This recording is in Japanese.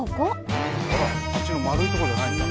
あっちの円いとこじゃないんだ。